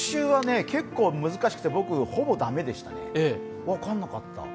結構難しくてほぼ駄目でしたね、分からなかった。